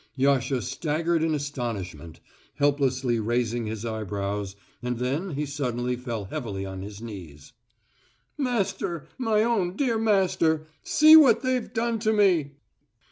Yasha staggered in astonishment, helplessly raising his eyebrows, and then he suddenly fell heavily on his knees. "Master! My own dear master! See what they've done to me!"